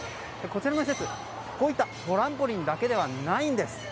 こちらの施設、こういったトランポリンだけではないんです。